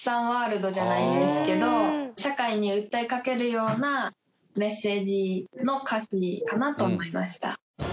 ワールドじゃないですけど社会に訴えかけるようなメッセージの歌詞かなと思いました。